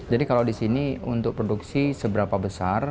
jadi kalau di sini untuk produksi seberapa besar